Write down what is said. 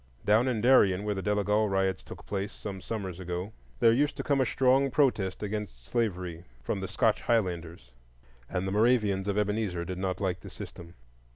Down in Darien, where the Delegal riots took place some summers ago, there used to come a strong protest against slavery from the Scotch Highlanders; and the Moravians of Ebenezer did not like the system.